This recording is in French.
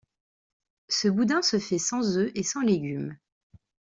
Ce boudin se fait sans œuf et sans légume.